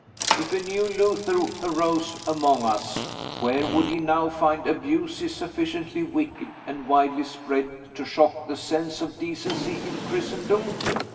If a new Luther arose among us, where would he now find abuses sufficiently wicked and widely spread to shock the sense of decency in Christendom?